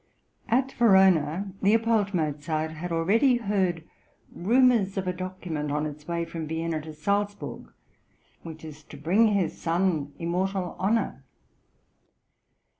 } (134) At Verona, L. Mozart had already heard rumours of a document on its way from Vienna to Salzburg, which was to bring his son "immortal honour."